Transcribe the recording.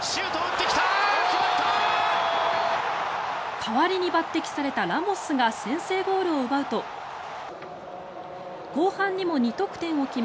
代わりに抜てきされたラモスが先制ゴールを奪うと後半にも２得点を決め